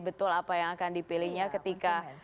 betul apa yang akan dipilihnya ketika